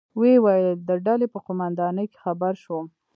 ویې ویل: د ډلې په قومندانۍ کې خبر شوم.